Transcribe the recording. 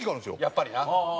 「やっぱりな」。